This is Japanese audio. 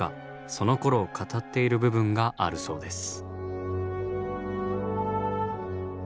そのころを語っている部分があるそうです。